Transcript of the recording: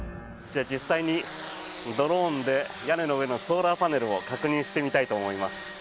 実際にドローンで屋根の上のソーラーパネルを確認してみたいと思います。